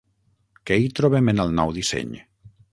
Que hi trobem en el nou disseny?